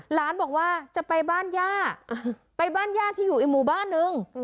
หลานบอกว่าจะไปบ้านย่าไปบ้านย่าที่อยู่อีกหมู่บ้านนึง